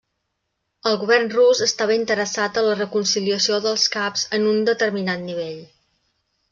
El govern rus estava interessat en la reconciliació dels caps en un determinat nivell.